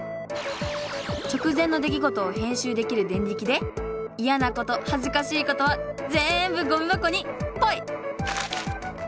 直前の出来ごとを編集できるデンリキでいやなことはずかしいことはぜんぶゴミ箱にポイ！